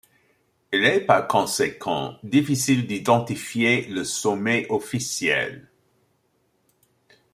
Il est par conséquent difficile d'identifier le sommet officiel.